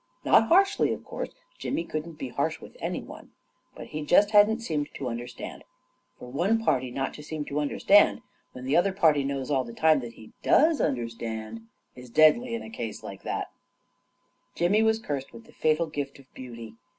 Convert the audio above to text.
Not harshly, of course; Jimmy couldn't be harsh with any one ; but he just hadn't seemed to un derstand. For one party not to seem to under stand, when the other party knows all the time that he does understand, is deadly in a case like that 1 H A KING IN BABYLON Jimmy was cursed with the fatal gift of beauty.